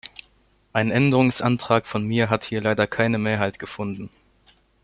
Ein Änderungsantrag von mir hat hier leider keine Mehrheit gefunden.